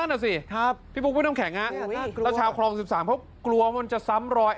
นั่นเหรอสิพี่ปุ๊กไม่ต้องแข็งนะแล้วชาวครอง๑๓เขากลัวมันจะซ้ำรอย